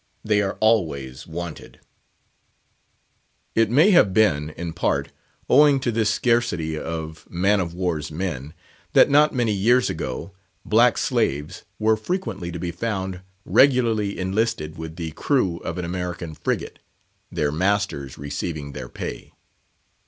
They are always "wanted." It may have been, in part, owing to this scarcity man of war's men, that not many years ago, black slaves were frequently to be found regularly enlisted with the crew of an American frigate, their masters receiving their pay.